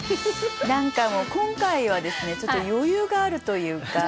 今回はですねちょっと余裕があるというか。